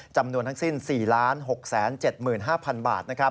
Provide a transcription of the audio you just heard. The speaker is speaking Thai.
จำนวนทั้งสิ้น๔๖๗๕๐๐๐บาท